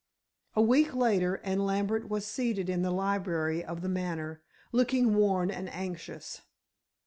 A week later and Lambert was seated in the library of The Manor, looking worn and anxious.